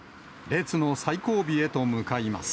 列の最後尾へと向かいます。